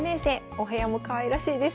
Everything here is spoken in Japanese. お部屋もかわいらしいです。